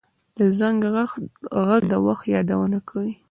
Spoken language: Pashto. د زنګ غږ د وخت یادونه کوي